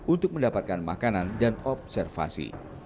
untuk mendapatkan makanan dan observasi